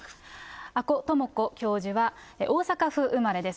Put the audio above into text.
阿古智子教授は、大阪府生まれです。